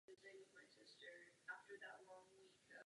Proto byl kladen velký důraz na cvičení bojových umění.